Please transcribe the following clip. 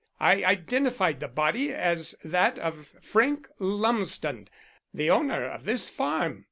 I identified the body as that of Frank Lumsden, the owner of this farm.